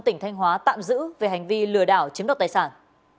tỉnh thanh hóa tạm giữ về hành vi lừa đảo chiếm đoạt tài sản